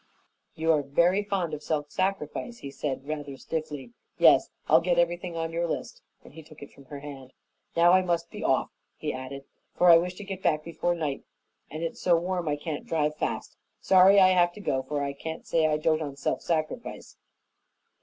"You are very fond of self sacrifice," he said, rather stiffly. "Yes, I'll get everything on your list," and he took it from her hand. "Now I must be off," he added, "for I wish to get back before night, and it's so warm I can't drive fast. Sorry I have to go, for I can't say I dote on self sacrifice."